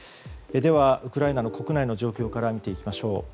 では、ウクライナの国内の状況から見ていきましょう。